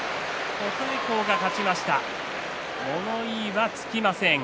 物言いはつきません。